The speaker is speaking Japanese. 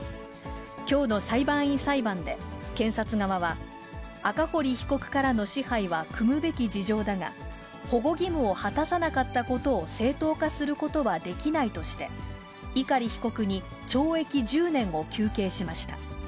きょうの裁判員裁判で、検察側は、赤堀被告からの支配は酌むべき事情だが、保護義務を果たさなかったことを正当化することはできないとして、碇被告に懲役１０年を求刑しました。